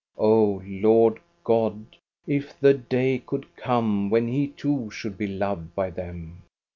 Oh, Lord God, if the day could come when he too should be loved by them!